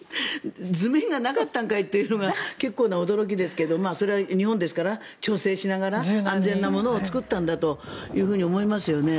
図面がなかったんかいというのが結構な驚きですがそれは日本ですから調整しながら安全なものを作ったんだと思いますよね。